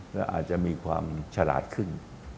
และอาจจะมีความฉลาดขึ้น